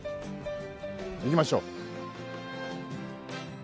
行きましょう。